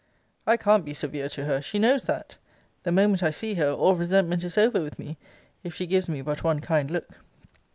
I can't be severe to her she knows that. The moment I see her, all resentment is over with me, if she gives me but one kind look.